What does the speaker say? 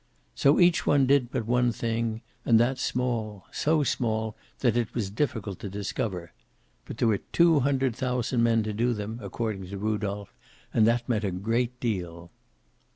So each one did but one thing, and that small, so small that it was difficult to discover. But there were two hundred thousand men to do them, according to Rudolph, and that meant a great deal.